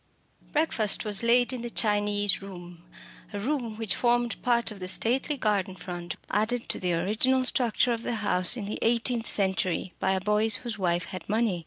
Breakfast was laid in the "Chinese room," a room which formed part of the stately "garden front," added to the original structure of the house in the eighteenth century by a Boyce whose wife had money.